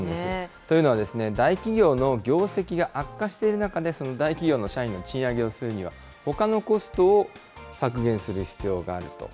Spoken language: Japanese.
というのはですね、大企業の業績が悪化している中で、その大企業の社員の賃上げをするには、ほかのコストを削減する必要があると。